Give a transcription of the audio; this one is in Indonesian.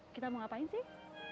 kita mau ngapain sih